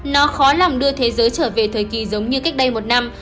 nó khó lòng đưa thế giới trở về thời kỳ giống như cách đây một năm